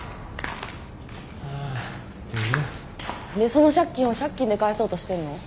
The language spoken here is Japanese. でその借金を借金で返そうとしてんの？